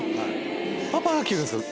パパが切るんですか？